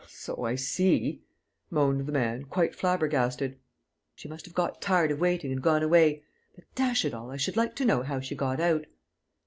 "So I see," moaned the man, quite flabbergasted. "She must have got tired of waiting and gone away. But, dash it all, I should like to know how she got out!"